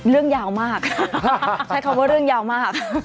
ยาวมากใช้คำว่าเรื่องยาวมาก